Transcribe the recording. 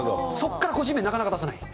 そこから個人名なかなか出さない。